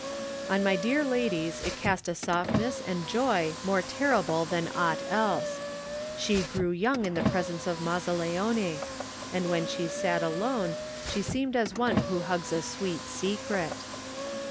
On my dear lady's it cast a softness and joy more terrible than aught else. She grew young in the presence of Mazzaleone, 41 Digitized by Google THE NINTH MAN and when she sat alone she seemed as one who hugs a sweet secret.